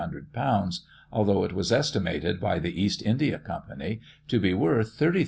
though it was estimated by the East India Company to be worth 30,000l.